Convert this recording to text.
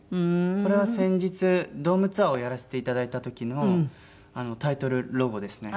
これは先日ドームツアーをやらせていただいた時のタイトルロゴですね。